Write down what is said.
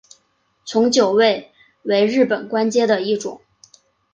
从九位为日本官阶的一种。